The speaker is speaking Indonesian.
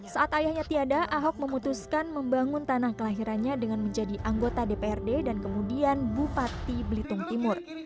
saat ayahnya tiada ahok memutuskan membangun tanah kelahirannya dengan menjadi anggota dprd dan kemudian bupati belitung timur